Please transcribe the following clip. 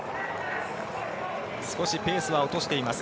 少しペースは落としています。